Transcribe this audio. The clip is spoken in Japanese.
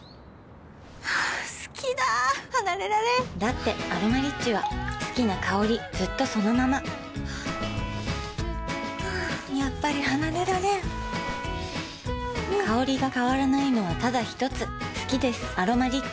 好きだ離れられんだって「アロマリッチ」は好きな香りずっとそのままやっぱり離れられん香りが変わらないのはただひとつ好きです「アロマリッチ」